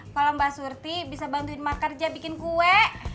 kalau mbak surti bisa bantuin mbak kerja bikin kue